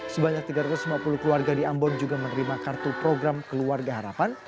sebanyak tiga ratus lima puluh keluarga di ambon juga menerima kartu program keluarga harapan